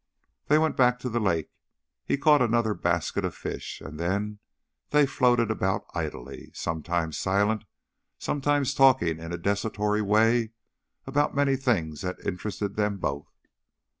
They went back to the lake. He caught another basket of fish, and then they floated about idly, sometimes silent, sometimes talking in a desultory way about many things that interested them both.